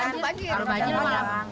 kalau gede nggak sampai banjir